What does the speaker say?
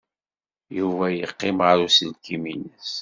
Yuba yeqqim ɣer uselkim-nnes.